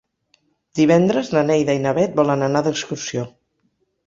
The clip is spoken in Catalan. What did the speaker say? Divendres na Neida i na Bet volen anar d'excursió.